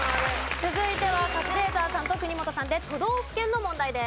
続いてはカズレーザーさんと国本さんで都道府県の問題です。